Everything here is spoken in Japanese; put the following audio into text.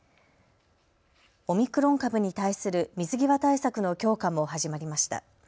オミクロン株に対する水際対策の強化も始まりました。